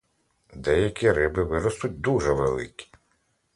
Деякі риби виростуть дуже великі.